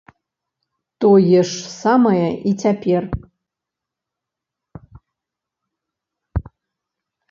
Тое ж самае і цяпер.